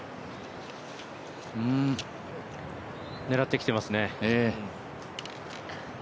狙ってきてますね。